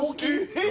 えっ！？